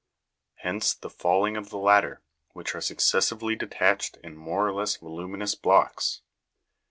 Hence the falling of the latter, which are successively detached in more or less voluminous blocks.